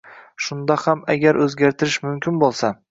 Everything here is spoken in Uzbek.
shunda ham agar o‘zgartirish mumkin bo‘lsa.